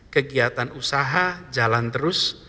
kegiatan usaha jalan terus